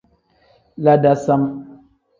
La dasam.